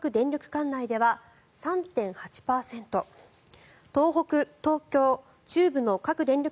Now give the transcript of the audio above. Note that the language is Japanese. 管内では３．８％東北、東京、中部の各電力